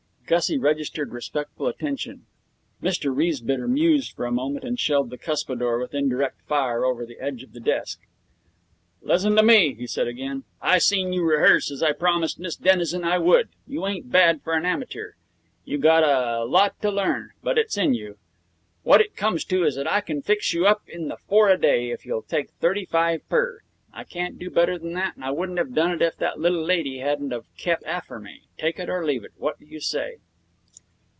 Gussie registered respectful attention. Mr Riesbitter mused for a moment and shelled the cuspidor with indirect fire over the edge of the desk. 'Lizzun t' me,' he said again. 'I seen you rehearse, as I promised Miss Denison I would. You ain't bad for an amateur. You gotta lot to learn, but it's in you. What it comes to is that I can fix you up in the four a day, if you'll take thirty five per. I can't do better than that, and I wouldn't have done that if the little lady hadn't of kep' after me. Take it or leave it. What do you say?'